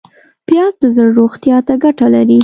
پیاز د زړه روغتیا ته ګټه لري